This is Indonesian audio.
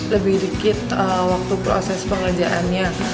lebih dikit waktu proses pengerjaannya